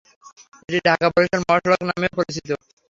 এটি ঢাকা-বরিশাল মহাসড়ক নামেও পরিচিত।